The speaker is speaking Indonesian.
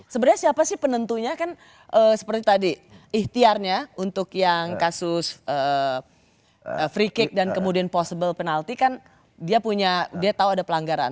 sebenarnya siapa sih penentunya kan seperti tadi ikhtiarnya untuk yang kasus free cake dan kemudian possible penalti kan dia punya dia tahu ada pelanggaran